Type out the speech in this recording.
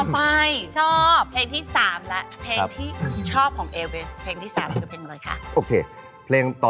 มีคนเดียว